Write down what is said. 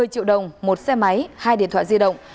hai mươi triệu đồng một xe máy hai điện thoại di động